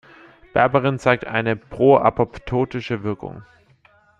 Berberin zeigt eine pro-apoptotische Wirkung.